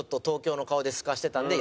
「東京の顔ですかしてた」？